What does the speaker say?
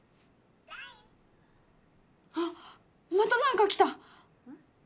あっまたなんか来た